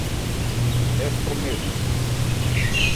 Ɛ pɔ nkɛ.